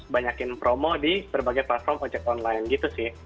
banyakin promo di berbagai platform ojek online gitu sih